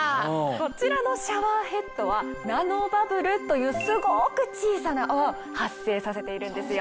こちらのシャワーヘッドはナノバブルというすごく小さな泡を発生させているんですよ。